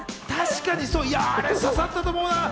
あれ刺さったと思うな。